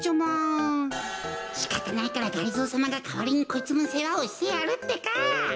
こころのこえしかたないからがりぞーさまがかわりにこいつのせわをしてやるってか。